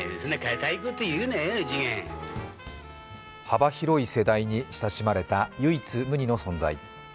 幅広い世代に親しまれた唯一無二の存在。